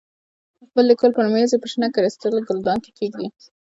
د خپلو لیکلو پر مېز یې په شنه کریسټال ګلدان کې کېږدې.